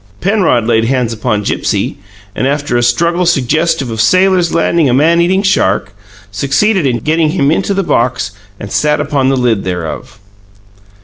Penrod laid hands upon Gipsy, and, after a struggle suggestive of sailors landing a man eating shark, succeeded in getting him into the box, and sat upon the lid thereof.